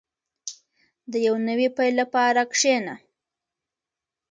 • د یو نوي پیل لپاره کښېنه.